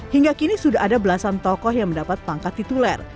hingga kini sudah ada belasan tokoh yang mendapat pangkat tituler